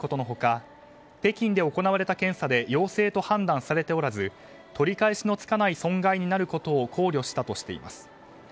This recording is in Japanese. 北京で行われた検査で陽性と判断されておらず取り返しのつかない損害になることを考慮したとしています。